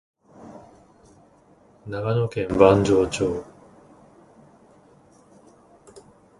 長野県坂城町